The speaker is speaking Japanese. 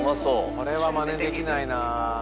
これはマネできないな。